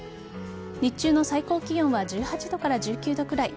日中の最高気温は１８度から１９度くらい。